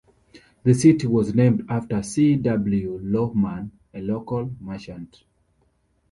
The city was named after C. W. Lohman, a local merchant.